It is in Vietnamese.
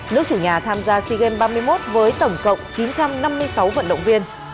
nước chủ nhà tham gia sea games ba mươi một với tổng cộng chín trăm năm mươi sáu vận động viên